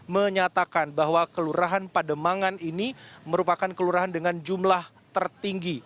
menyatakan bahwa kelurahan pademangan ini merupakan kelurahan dengan jumlah tertinggi